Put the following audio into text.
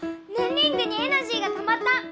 リングにエナジーがたまった！